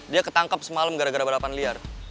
dia ketangkep semalam gara gara balapan liar